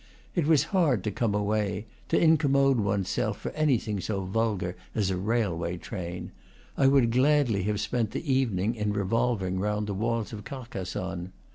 It was hard to come away, to incommode one's self for anything so vulgar as a railway train; I would gladly have spent the evening in revolving round the walls of Carcassonne.